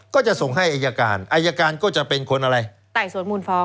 ก็จะส่งให้อายการอายการก็จะเป็นคนอะไรไต่สวนมูลฟ้อง